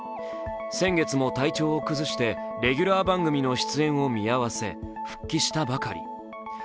先月も体調を崩してレギュラー番組の出演を見合わせ、復帰したばかり。